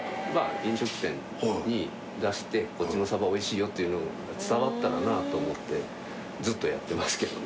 飲食店に出してこっちのサバおいしいよっていうの伝わったらなと思ってずっとやってますけどね